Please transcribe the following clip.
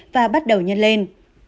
và bắt đầu nhân lên